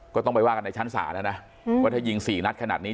ก็ต้องไปว่ากันในชั้นศาลนะนะว่าถ้ายิง๔นัดขนาดนี้